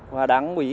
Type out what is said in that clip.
và đảng ủy